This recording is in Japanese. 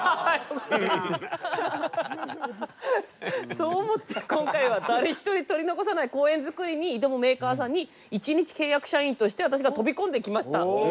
そう思って今回は誰ひとり取り残さない公園造りに挑むメーカーさんに１日契約社員として私が飛び込んできました。